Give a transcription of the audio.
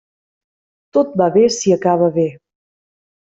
Tot va bé si acaba bé.